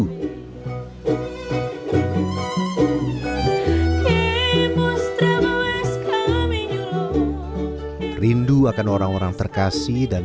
rindu akan orang orang terkasih dan rindu akan orang orang yang berpengalaman